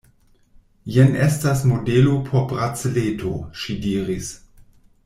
Jen estas modelo por braceleto, ŝi diris.